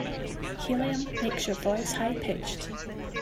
Helium makes your voice high pitched.